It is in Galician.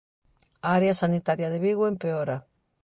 A área sanitaria de Vigo empeora.